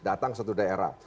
datang ke satu daerah